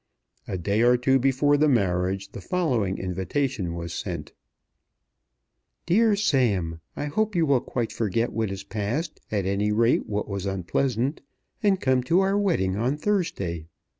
A day or two before the marriage the following invitation was sent; DEAR SAM, I hope you will quite forget what is past, at any rate what was unpleasant, and come to our wedding on Thursday.